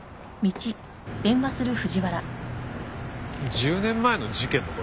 １０年前の事件の事？